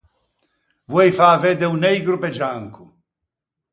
Voei fâ vedde o neigro pe gianco.